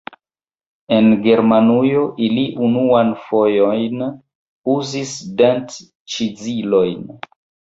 En Germanujo ili unuan fojojn uzis dent-ĉizilojn.